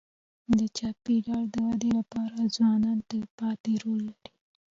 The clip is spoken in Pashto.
د چاپېریال د ودې لپاره ځوانان تلپاتې رول لري.